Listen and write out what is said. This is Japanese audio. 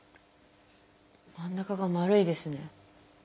真ん中がまるいですね。